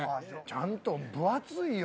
・ちゃんと分厚いよ。